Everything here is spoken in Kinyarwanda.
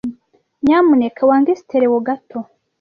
Nyamuneka wange stereo gato.